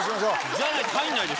じゃないと入んないでしょ。